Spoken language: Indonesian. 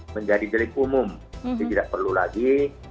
menjadi delik umum jadi tidak perlu lagi